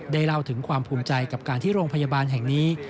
เล่าถึงความภูมิใจกับการที่โรงพยาบาลแห่งนี้